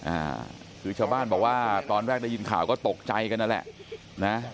อ่าคือชาวบ้านบอกว่าตอนแรกได้ยินข่าวก็ตกใจกันนั่นแหละนะ